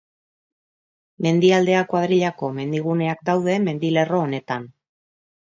Mendialdea Kuadrillako mendiguneak daude mendilerro honetan.